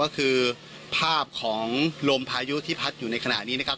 ก็คือภาพของลมพายุที่พัดอยู่ในขณะนี้นะครับ